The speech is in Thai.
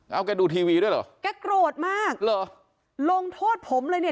เอาแกดูทีวีด้วยเหรอแกโกรธมากเหรอลงโทษผมเลยเนี่ย